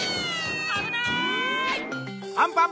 あぶない！